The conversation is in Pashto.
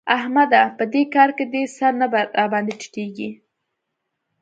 احمده! په دې کار کې دي سر نه راباندې ټيټېږي.